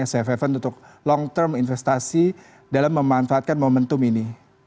sffn untuk long term investasi dalam memanfaatkan momentum ini